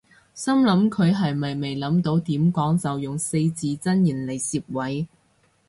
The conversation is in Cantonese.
心諗佢係咪未諗到點講就用四字真言嚟攝位